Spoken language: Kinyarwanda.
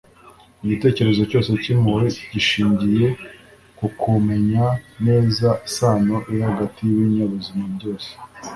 igitekerezo cyose cy'impuhwe gishingiye ku kumenya neza isano iri hagati y'ibinyabuzima byose